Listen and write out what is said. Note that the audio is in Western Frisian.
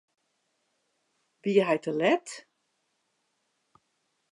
Wie hy te let?